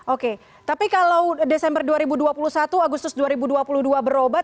oke tapi kalau desember dua ribu dua puluh satu agustus dua ribu dua puluh dua berobat